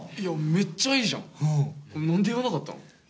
いやめっちゃいいじゃん！何で言わなかったの？